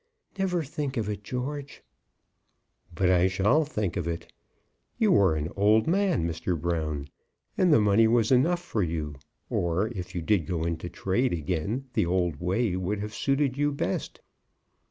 "Never think of it, George." "But I shall think of it. You were an old man, Mr. Brown, and the money was enough for you; or, if you did go into trade again, the old way would have suited you best."